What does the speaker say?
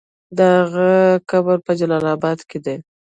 د هغه قبر په جلال اباد کې دی.